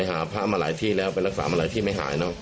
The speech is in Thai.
หาพระมาหลายที่แล้วไปรักษามาหลายที่ไม่หายเนอะ